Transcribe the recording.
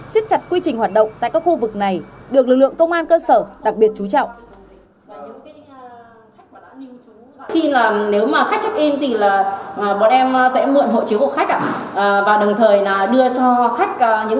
xiết chặt quy trình hoạt động tại các khu vực này được lực lượng công an cơ sở đặc biệt chú trọng